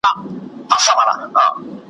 په داسي حال کي تر سره سول